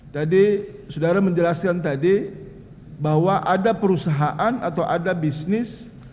tadi saudara menjelaskan tadi bahwa ada perusahaan atau ada bisnis